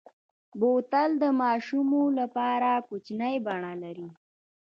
بوتل د ماشومو لپاره کوچنۍ بڼه لري.